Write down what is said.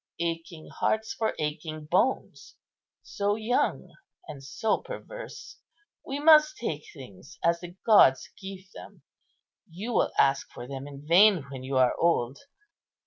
Aching hearts for aching bones. So young and so perverse! We must take things as the gods give them. You will ask for them in vain when you are old.